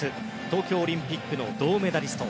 東京オリンピックの銅メダリスト。